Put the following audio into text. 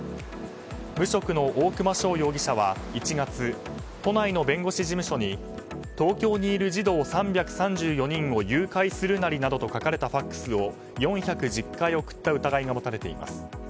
無職の大熊翔容疑者は、１月都内の弁護士事務所に「東京にいる児童３３４人を誘拐するナリ」などと書かれたＦＡＸを４１０回送った疑いが持たれています。